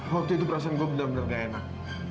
waktu itu perasaan gue benar benar gak enak